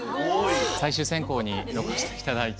最終選考に残していただいて。